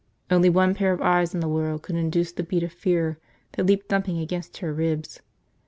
Only one pair of eyes in the world could induce the beat of fear that leaped thumping against her ribs.